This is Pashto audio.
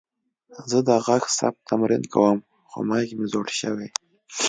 زه د غږ ثبت تمرین کوم، خو میک مې زوړ شوې.